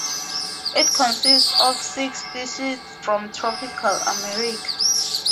It consists of six species from tropical America.